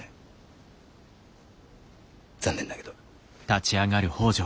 残念だけど。